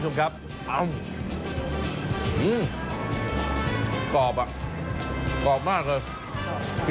อืมกรอบมากเลย